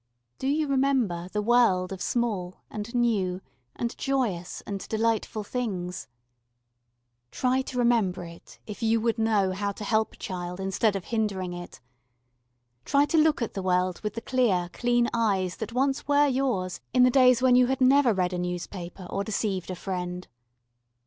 Do you remember the world of small and new and joyous and delightful things? Try to remember it if you would know how to help a child instead of hindering it try to look at the world with the clear, clean eyes that once were yours in the days when you had never read a newspaper or deceived a friend.